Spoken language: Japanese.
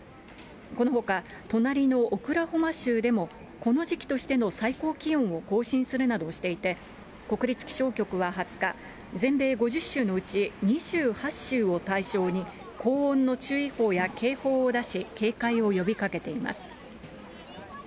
このほか、隣のオクラホマ州でも、この時期としての最高気温を更新するなどしていて、国立気象局は２０日、全米５０州のうち２８州を対象に、高温の注意報や警報を出し、警戒を呼びかけています。